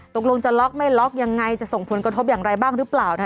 ตกลงจะล็อกไม่ล็อกยังไงจะส่งผลกระทบอย่างไรบ้างหรือเปล่า